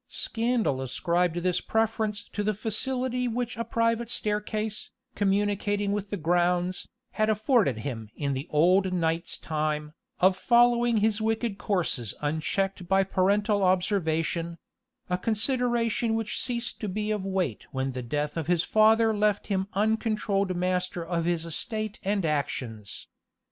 Scandal ascribed this preference to the facility which a private staircase, communicating with the grounds, had afforded him, in the old knight's time, of following his wicked courses unchecked by parental observation; a consideration which ceased to be of weight when the death of his father left him uncontrolled master of his estate and actions.